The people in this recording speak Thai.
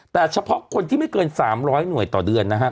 แต่เฉพาะคนที่ไม่เกิน๓๐๐หน่วยต่อเดือนนะฮะ